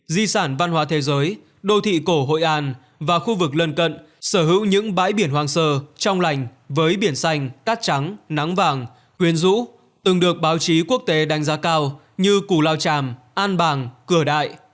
di sản văn hóa thế giới đô thị cổ hội an và khu vực lân cận sở hữu những bãi biển hoang sơ trong lành với biển xanh cát trắng nắng vàng quyến rũ từng được báo chí quốc tế đánh giá cao như củ lao tràm an bàng cửa đại